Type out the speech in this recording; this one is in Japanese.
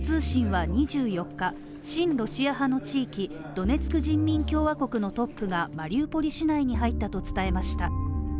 親ロシア派の地域ドネツク人民共和国のトップがマリウポリ市内に入ったと伝えました。